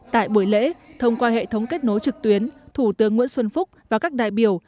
tại buổi lễ thông qua hệ thống kết nối trực tuyến thủ tướng nguyễn xuân phúc và các đại biểu